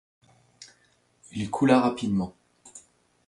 Il coula rapidement.